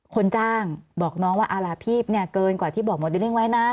คนจ้างบอกน้องว่าอาราพีบเนี่ยเกินกว่าที่บอกโมเดลลิ่งไว้นะ